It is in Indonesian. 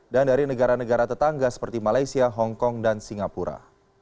dan dari negara negara tetangga seperti malaysia hong kong dan singapura